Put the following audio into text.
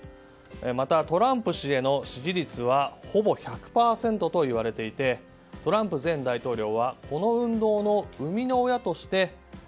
また、トランプ氏への支持率はほぼ１００％と言われていてトランプ前大統領はこの運動の生みの親としてＭＡＧＡ